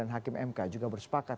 hakim mk juga bersepakat